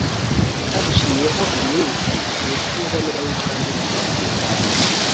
haciyeho iminsi igihe cy’umuganura w’ibwami kiragera.